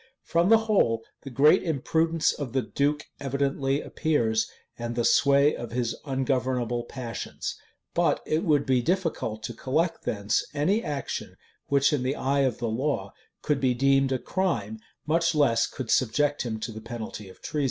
From the whole, the great imprudence of the duke evidently appears, and the sway of his ungovernable passions; but it would be difficult to collect thence any action which, in the eye of the law, could be deemed a crime, much less could subject him to the penalty of treason.